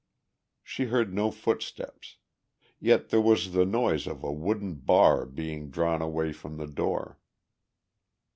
She heard no footsteps; yet there was the noise of a wooden bar being drawn away from the door.